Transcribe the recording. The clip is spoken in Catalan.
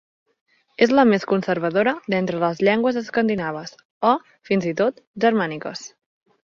És la més conservadora d'entre les llengües escandinaves, o fins i tot germàniques.